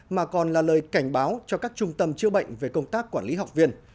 mà còn là lời cảnh báo cho các trung tâm chữa bệnh về công tác quản lý học viên